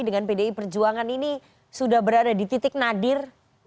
dengan pdi perjuangan ini sudah berada di titik nadir